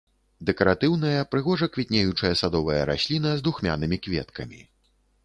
Дэкаратыўная прыгожа квітнеючая садовая расліна з духмянымі кветкамі.